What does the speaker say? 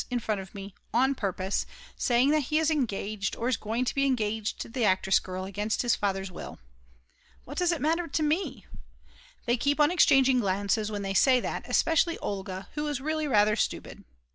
in front of me, on purpose, saying that he is engaged or is going to be engaged to the actress girl against his father's will. What does it matter to me? They keep on exchanging glances when they say that, especially Olga, who is really rather stupid.